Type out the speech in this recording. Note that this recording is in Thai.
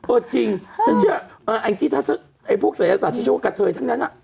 โอ้จริงฉันเชื่อไอ้พวกศัยศาสตร์ฉันเชื่อว่ากะเทยทั้งนั้นน่ะ